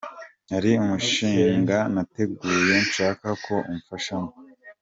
Hari umushinga nateguye nshaka ko umfashamo.